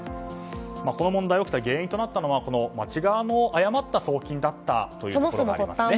この問題が起きた原因となったのは町側の誤った送金だったというところがありますね。